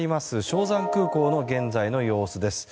松山空港の現在の様子です。